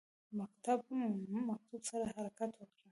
مکتوب سره حرکت وکړ.